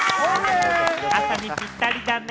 朝にぴったりだね。